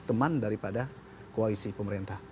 teman daripada koalisi pemerintah